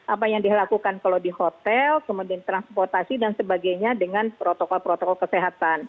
apa yang dilakukan kalau di hotel kemudian transportasi dan sebagainya dengan protokol protokol kesehatan